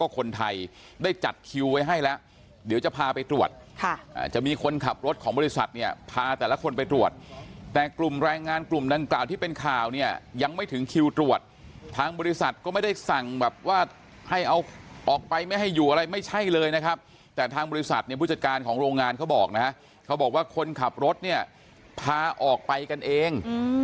คนไทยได้จัดคิวไว้ให้แล้วเดี๋ยวจะพาไปตรวจจะมีคนขับรถของบริษัทเนี่ยพาแต่ละคนไปตรวจแต่กลุ่มแรงงานกลุ่มดังกล่าวที่เป็นข่าวเนี่ยยังไม่ถึงคิวตรวจทางบริษัทก็ไม่ได้สั่งแบบว่าให้เอาออกไปไม่ให้อยู่อะไรไม่ใช่เลยนะครับแต่ทางบริษัทเนี่ยผู้จัดการของโรงงานเขาบอกนะฮะเขาบอกว่าคนขับรถเนี่ยพาออกไปกันเอง